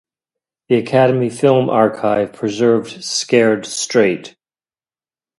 The Academy Film Archive preserved Scared Straight!